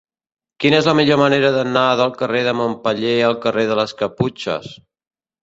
Quina és la millor manera d'anar del carrer de Montpeller al carrer de les Caputxes?